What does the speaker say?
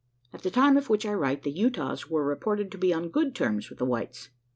At the time of which I write, the Utahs were reported to be on good terms with the whites.